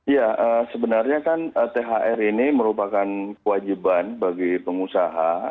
ya sebenarnya kan thr ini merupakan kewajiban bagi pengusaha